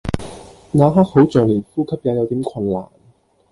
那刻好像連呼吸也有點困難